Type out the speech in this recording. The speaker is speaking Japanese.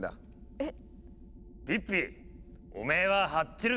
えっ！